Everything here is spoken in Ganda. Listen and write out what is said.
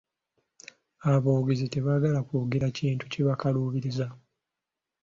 Aboogezi tebaagala kwogera kintu kibakaluubiriza.